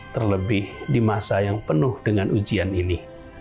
terlebih di masa yang penuh dengan ujian ini